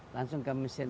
langsung ke mesin